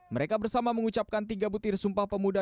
mereka bersama mengucapkan tiga butir sumpah pemuda